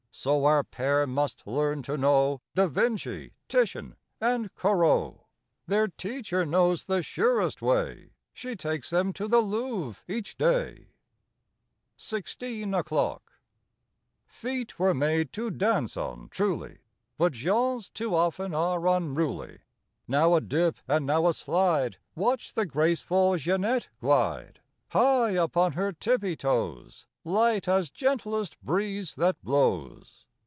So our pair must learn to know Da Vinci, Titian and Corot. Their teacher knows the surest way: She takes them to the Louvre each day. 37 i FIFTEEN O'CLOCK 39 SIXTEEN O'CLOCK F eet were made to dance on, truly; But Jean's too often are unruly. Now a dip and now a slide— Watch the graceful Jeanette glide! High upon her tippy toes, Light as gentlest breeze that blows.